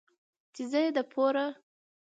،چې زه يې د پوره